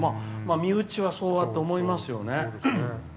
身内はそう思いますよね。